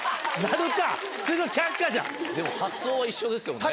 でも発想は一緒ですよね。